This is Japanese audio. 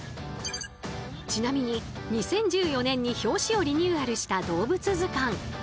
ちなみに２０１４年に表紙をリニューアルした動物図鑑。